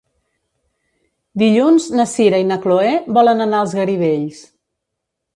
Dilluns na Sira i na Chloé volen anar als Garidells.